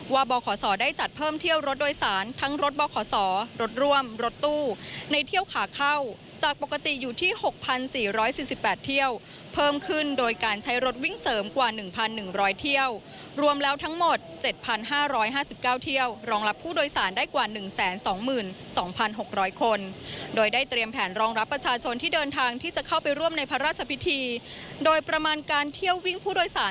บขศได้จัดเพิ่มเที่ยวรถโดยสารทั้งรถบขรถร่วมรถตู้ในเที่ยวขาเข้าจากปกติอยู่ที่๖๔๔๘เที่ยวเพิ่มขึ้นโดยการใช้รถวิ่งเสริมกว่า๑๑๐๐เที่ยวรวมแล้วทั้งหมด๗๕๕๙เที่ยวรองรับผู้โดยสารได้กว่า๑๒๒๖๐๐คนโดยได้เตรียมแผนรองรับประชาชนที่เดินทางที่จะเข้าไปร่วมในพระราชพิธีโดยประมาณการเที่ยววิ่งผู้โดยสาร